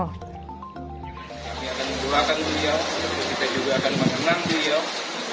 kita akan menjulakan beliau kita juga akan menenang beliau